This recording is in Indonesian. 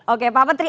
oke pak menteri